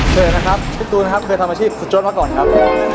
เชิญครับหืภูมิกูนะครับเคยทำอาชีพสุจรแรกก่อนครับ